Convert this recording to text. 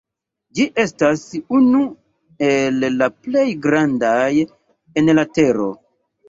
Ĝi estas unu el la plej grandaj en la tero.